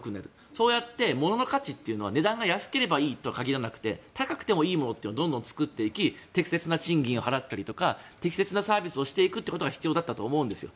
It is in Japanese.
そうやって物の価値は値段が安ければいいとは限らなくて高くてもいいものをどんどん作っていき適切な賃金を払ったり適切なサービスをしていくことが必要だったと思うんですよ。